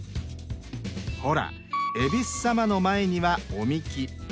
ほら恵比寿様の前にはお神酒。